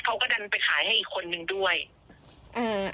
เขาก็ดันไปขายให้อีกคนนึงด้วยอืม